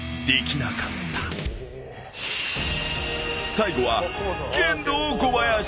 ［最後は］